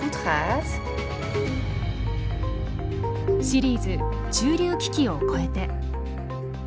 シリーズ「中流危機を越えて」。